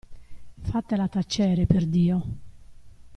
Fatela tacere, per Dio.